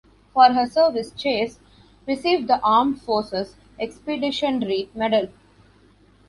For her service "Chase" received the Armed Forces Expeditionary Medal.